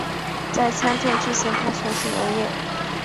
在参政之前他从事农业。